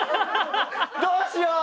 どうしよう！